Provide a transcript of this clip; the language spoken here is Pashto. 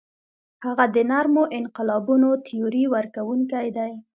هغه د نرمو انقلابونو تیوري ورکوونکی دی.